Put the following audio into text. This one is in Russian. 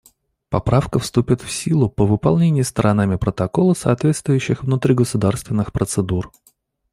Поправка вступит в силу по выполнении сторонами Протокола соответствующих внутригосударственных процедур.